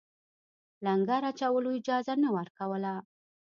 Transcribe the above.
لنګر اچولو اجازه نه ورکوله.